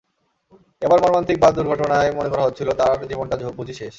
এবার মর্মান্তিক বাস দুর্ঘটনায় মনে করা হচ্ছিল, তাঁর জীবনটা বুঝি শেষ।